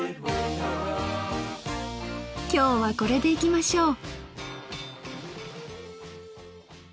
今日はこれでいきましょう。